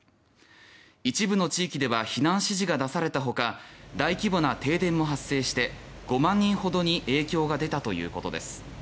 一部の地域では避難指示が出されたほか大規模な停電も発生して５万人ほどに影響が出たということです。